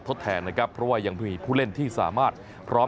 ทดแทนนะครับเพราะว่ายังมีผู้เล่นที่สามารถพร้อม